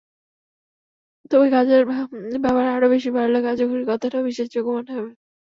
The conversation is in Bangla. তবে গাঁজার ব্যবহার আরও বেশি বাড়লে গাঁজাখুরি কথাও বিশ্বাসযোগ্য মনে হবে।